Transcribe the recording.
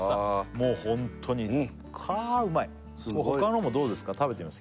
もうホントにかうまいほかのもどうですか食べてみます？